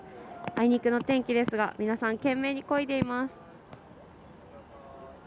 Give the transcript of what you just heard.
あいにくの天気ですが皆さん懸命にこいでいます。